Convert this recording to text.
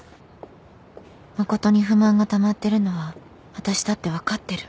誠に不満がたまってるのはあたしだって分かってる